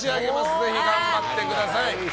ぜひ頑張ってください。